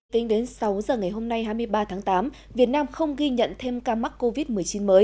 tính đến sáu giờ ngày hôm nay hai mươi ba tháng tám việt nam không ghi nhận thêm ca mắc covid một mươi chín mới